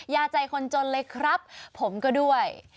ยาใจคนจนเลยครับผมก็ด้วย